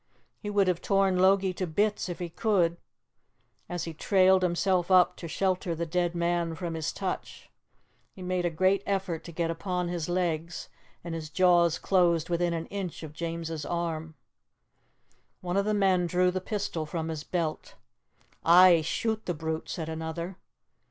He would have torn Logie to bits if he could, as he trailed himself up to shelter the dead man from his touch. He made a great effort to get upon his legs and his jaws closed within an inch of James's arm. One of the men drew the pistol from his belt. "Ay, shoot the brute," said another.